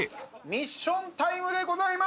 ミッションタイムでございます！